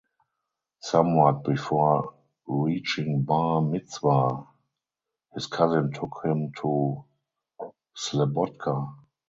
Somewhat before reaching bar mitzvah his cousin took him to Slabodka.